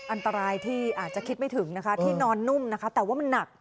อาจจะเกิดการขาดอากาศ